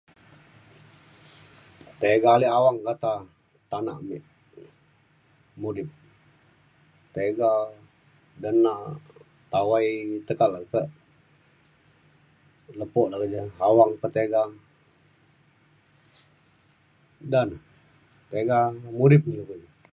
tega alik awang kata tanak mik mudip tega, denak, tawai teka le kak lepo dalau ja. awang pe tega da ne tega mudip ne ilu keja.